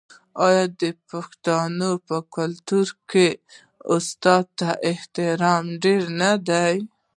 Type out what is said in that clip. آیا د پښتنو په کلتور کې د استاد احترام ډیر نه دی؟